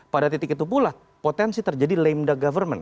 pada titik itu pula potensi terjadi lamda government